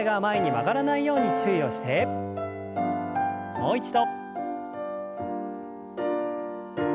もう一度。